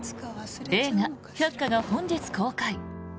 映画「百花」が本日公開。